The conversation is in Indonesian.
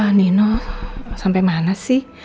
mbak nino sampai mana sih